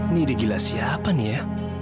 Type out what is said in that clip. nih digila siapa nih ya